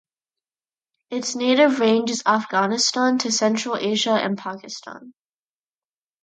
Its native range is Afghanistan to Central Asia and Pakistan.